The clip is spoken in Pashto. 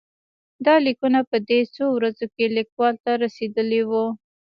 دا لیکونه په دې څو ورځو کې لیکوال ته رسېدلي وو.